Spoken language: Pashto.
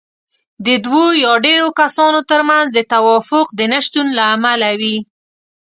د دوو يا ډېرو کسانو ترمنځ د توافق د نشتون له امله وي.